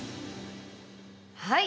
はい！